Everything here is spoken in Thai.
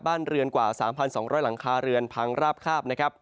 เรือนกว่า๓๒๐๐หลังคาเรือนพังราบคาบนะครับ